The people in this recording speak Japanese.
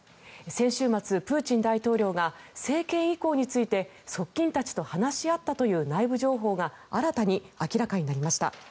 先週末、プーチン大統領が政権移行について側近たちと話し合ったという内部情報が新たに明らかになりました。